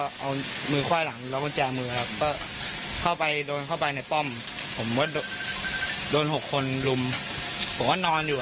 ร่วมนี้คือลูมยังไงครับต่อยหรือเตะหรืออะไรอย่างนี้มีไหมต่อยมี่